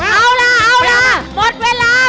เอาล่ะเอาล่ะหมดเวลา